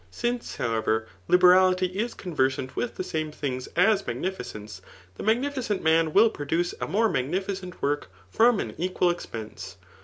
Since, however, liberality is conversant with the same things as magnifi cence, the magnificent man wiH produce a more magnifi cent work from an equal expense.